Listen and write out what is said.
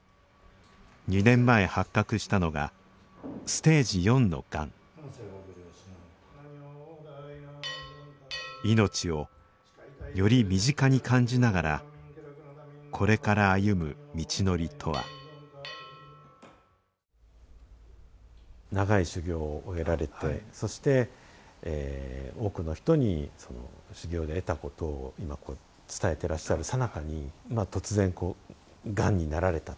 ２年前発覚したのがステージ４のがん命をより身近に感じながらこれから歩む道のりとは長い修行を終えられてそして多くの人に修行で得たことを今こう伝えてらっしゃるさなかに突然がんになられたと。